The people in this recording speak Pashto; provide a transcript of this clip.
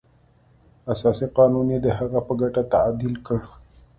اساسي قانون یې د هغه په ګټه تعدیل کړ.